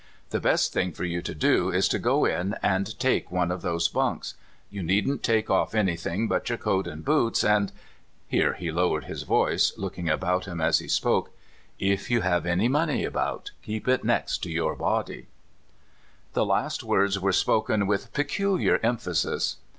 The best thing for you to do is to go in and take one of those bunks; you needn't take off anything but your coat and boots, and" — here he lowered his voice, looking about him as he spoke — ^'if yoti have any money about, keep it next to yoitr bodyy The last words were spoken with peculiar em phasis.